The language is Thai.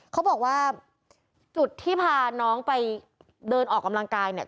เขาบอกว่าจุดที่พาน้องไปเดินออกกำลังกายเนี่ย